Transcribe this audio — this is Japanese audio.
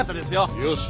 よし。